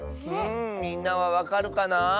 みんなはわかるかな？